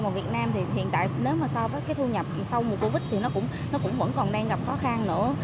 và việt nam thì hiện tại nếu mà so với cái thu nhập sau mùa covid thì nó cũng vẫn còn đang gặp khó khăn nữa